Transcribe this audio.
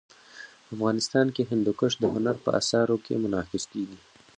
افغانستان کي هندوکش د هنر په اثارو کي منعکس کېږي.